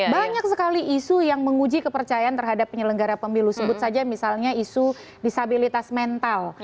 banyak sekali isu yang menguji kepercayaan terhadap penyelenggara pemilu sebut saja misalnya isu disabilitas mental